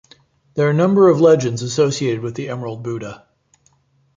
There a number of legends associated with the Emerald Buddha.